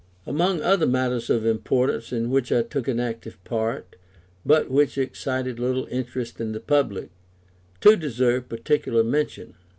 Among other matters of importance in which I took an active part, but which excited little interest in the public, two deserve particular mention.